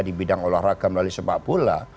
di bidang olahraga melalui sepakbola